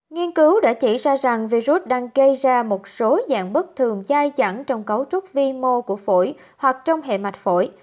nghiên cứu đã chỉ ra rằng virus đang gây ra một số dạng bất thường dai chẳng trong cấu trúc vi mô của phổi hoặc trong hệ mạch phổi